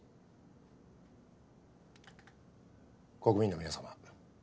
国民の皆様。